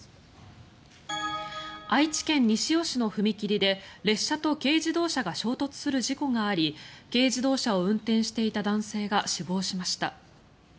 愛知県西尾市の踏切で列車と軽自動車が衝突する事故があり軽自動車を運転していた男性が死亡しました。